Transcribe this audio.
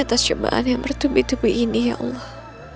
atas syumbaan yang bertubi tubi ini ya allah